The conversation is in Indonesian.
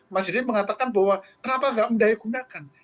pak menteri mengatakan bahwa kenapa nggak mendaya gunakan